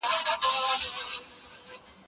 حقوقپوهان څنګه په محکمه کي انصاف راولي؟